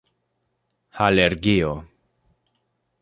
alergio